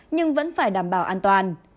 nhưng vẫn phải đảm bảo an toàn